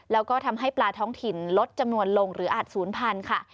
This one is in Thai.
แล้วก็ทำให้ปลาท้องถิ่นลดจำนวนลงหรืออาจศูนย์พันธุ์ค่ะ